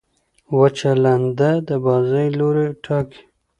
وچه لنده د بازۍ لوری ټاکي.